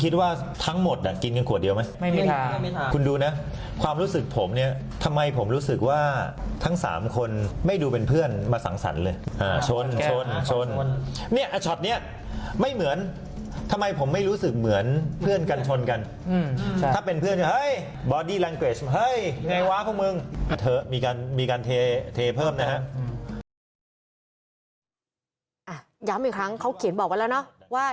ย้ำอีกครั้งเขาเขียนบอกไว้แล้วเนอะว่า